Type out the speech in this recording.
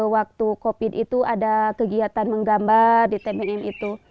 waktu covid itu ada kegiatan menggambar di tbm itu